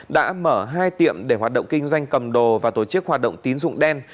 đã mở hai tiệm để hoạt động kinh doanh cầm đồ và tổ chức hoạt động tín dụng đen